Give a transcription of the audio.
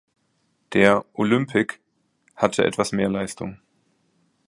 Der "Olympic" hatte etwas mehr Leistung.